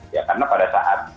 ya karena pada saat